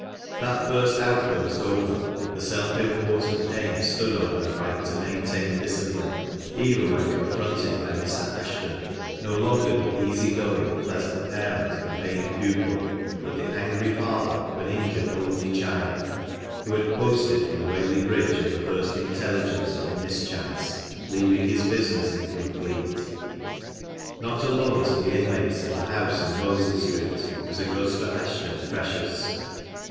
That first outburst over, the self important dame stood on her " right to maintain discipline," even when confronted by Mr. Ashton, no longer the easy going, pleasant parent of a paying pupil, but the angry father of an injured only child, who had posted from Whaley Bridge on the first intelligence of the mischance, leaving his business incomplete. Not alone to the inmates of the house in Mosley Street was Augusta Ashton precious.